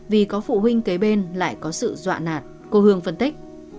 vì có phụ huynh kế bên lại có sự dọa nạt cô hương phân tích